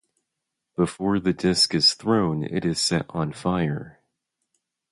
Before the disc is thrown it is set on fire.